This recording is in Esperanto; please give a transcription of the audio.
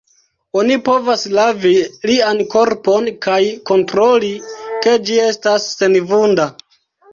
Oni povas lavi lian korpon, kaj kontroli, ke ĝi estas senvunda.